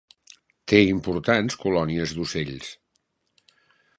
Té importants colònies d'ocells.